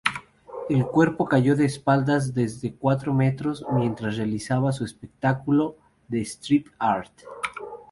Su cuerpo cayó de espaldas desde cuatro metros mientras realizaba su espectáculo de "strip-art".